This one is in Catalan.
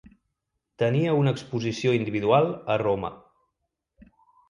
Tenia una exposició individual a Roma.